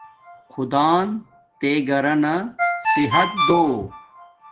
خدان تے گھرانا صحت دو